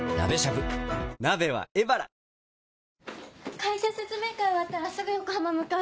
会社説明会終わったらすぐ横浜向かう。